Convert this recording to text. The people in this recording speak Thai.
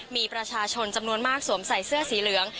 มีประชาชนจำนวนมากสวมใส่เสื้อสีเหลือง